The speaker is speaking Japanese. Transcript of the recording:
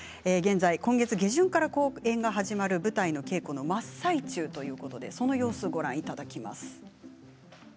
今月下旬から公演が始まる舞台の稽古の真っ最中ということでその様子をご覧ください。